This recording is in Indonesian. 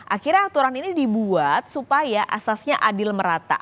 akhirnya aturan ini dibuat supaya asasnya adil merata